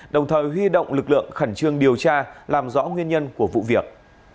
đồng thời huy động lực lượng khẩn trương điều tra làm rõ nguyên nhân của vụ việc